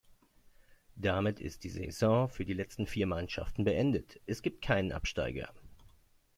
Damit ist die Saison für die letzten vier Mannschaften beendet, es gibt keinen Absteiger.